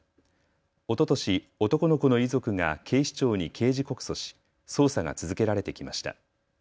おととし男の子の遺族が警視庁に刑事告訴し捜査が続けられてきました。